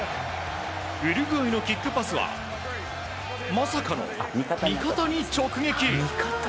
ウルグアイのキックパスはまさかの味方に直撃。